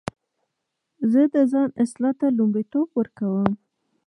زه د ځان اصلاح ته لومړیتوب ورکوم.